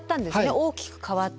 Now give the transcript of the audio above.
大きく変わって。